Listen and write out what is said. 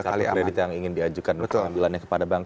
kartu kredit yang ingin diajukan untuk pengambilannya kepada bank